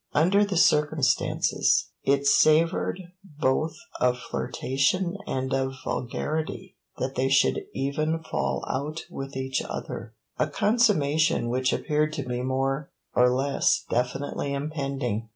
Under the circumstances, it savoured both of flirtation and of vulgarity that they should even fall out with each other a consummation which appeared to be more or less definitely impending.